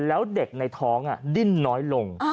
แล้วเด็กในท้องดิ้นน้อยลง